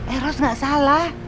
eros gak salah